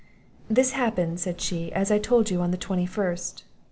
"This happened," said she, "as I told you, on the 21st.